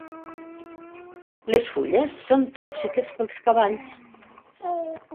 Les fulles són tòxiques pels cavalls.